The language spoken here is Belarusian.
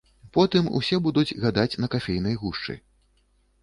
Потым усе будуць гадаць на кафейнай гушчы.